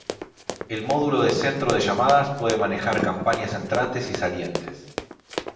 El módulo de centro de llamadas puede manejar campañas entrantes y salientes.